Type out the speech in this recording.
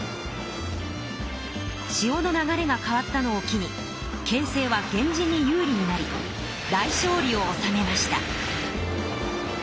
しおの流れが変わったのを機に形勢は源氏に有利になり大勝利をおさめました。